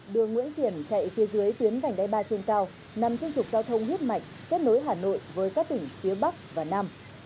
đường nguyễn xiển chạy phía dưới tuyến gành đáy ba trên cao nằm trên trục giao thông hiếp mạnh kết nối hà nội với các tỉnh phía bắc và nam